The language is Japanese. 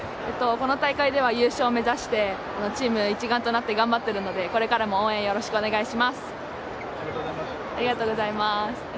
この大会では優勝を目指して、チーム一丸となって頑張ってるので、これからも応援よろしくお願いします。